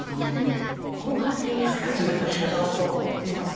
それは後半にしっかりまた伺おうと思っています。